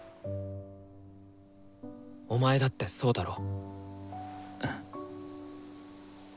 お前だってそうだろ？